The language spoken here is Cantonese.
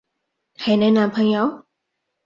係你男朋友？